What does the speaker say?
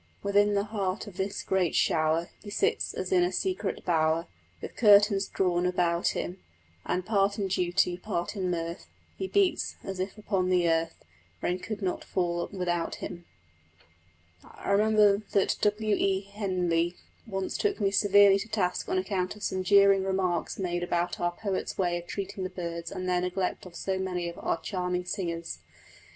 Within the heart of this great shower He sits, as in a secret bower, With curtains drawn about him: And, part in duty, part in mirth, He beats, as if upon the earth Rain could not fall without him. I remember that W. E. Henley once took me severely to task on account of some jeering remarks made about our poet's way of treating the birds and their neglect of so many of our charming singers.